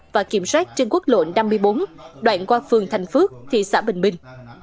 và kiểm soát trên quốc lộ năm mươi bốn đoạn qua phường thành phước thị xã bình minh